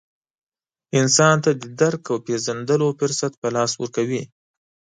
انسان ته د درک او پېژندلو فرصت په لاس ورکوي.